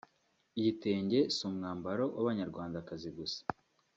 Igitenge si umwambaro w’abanyarwandakazi gusa